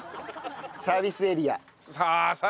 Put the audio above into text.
ああサービスエリアで。